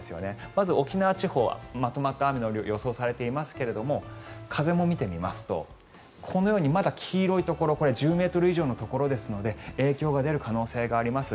まず、沖縄地方はまとまった雨の量が予想されていますが風も見てみますとこのように、まだ黄色いところこれは１０ｍ以上のところですので影響が出る可能性があります。